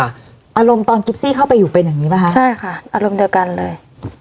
อารมณ์ตอนกิฟซี่เข้าไปอยู่เป็นอย่างนี้ป่ะคะใช่ค่ะอารมณ์เดียวกันเลย